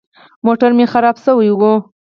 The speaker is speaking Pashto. موټر مې خراب سوى و.